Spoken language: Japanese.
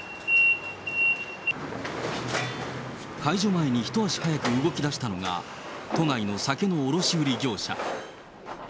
解除前に一足早く動きだしたのが、都内の酒の卸売り業者。